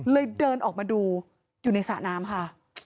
เดินออกมาดูอยู่ในสระน้ำค่ะ